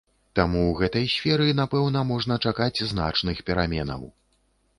Таму ў гэтай сферы, напэўна, можна чакаць значных пераменаў.